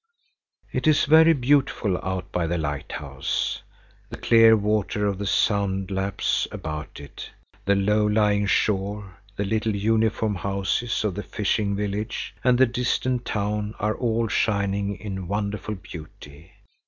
It is very beautiful out by the lighthouse. The clear water of the sound laps about it. The low lying shore, the little uniform houses of the fishing village, and the distant town are all shining in wonderful beauty.